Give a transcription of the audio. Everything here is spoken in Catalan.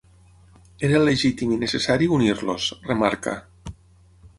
Era legítim i necessari unir-los, remarca.